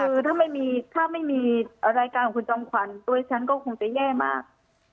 คือถ้าไม่มีถ้าไม่มีรายการของคุณจอมขวัญตัวฉันก็คงจะแย่มาก